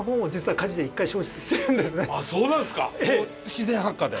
自然発火で？